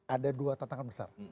ada dua tantangan besar